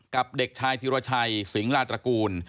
เด็กชายธิรชัยสิงหลาตระกูล